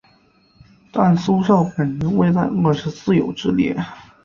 但苏绍本人未在二十四友之列。